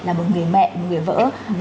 là một người mẹ một người vợ